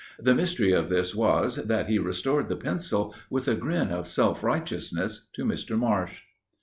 The mystery of this was, that he restored the pencil, with a grin of self righteousness, to Mr. Marsh."